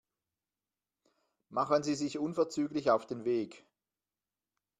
Machen Sie sich unverzüglich auf den Weg.